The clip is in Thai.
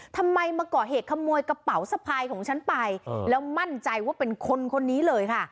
ทำไมมาก่อเหตุขโมยกระเป๋าสะพายของฉันไปแล้วมั่นใจว่าเป็นคนคนนี้เลยค่ะ